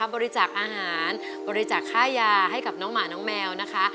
บริจาคอาหารบริจาคค่ายาให้กับน้องหมาน้องแมวนะคะ